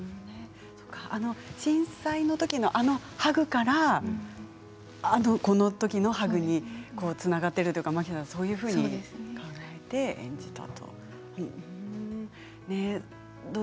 震災のときのあのハグからこのときのハグにつながっているというか蒔田さんはそういうふうに考えて演じたという。